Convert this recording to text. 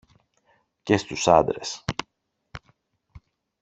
Και στους άντρες